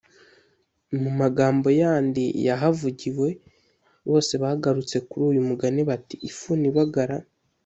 mu magambo yandi yahavugiwe, bose bagarutse kuri uyu mugani bati: “ifuni ibagara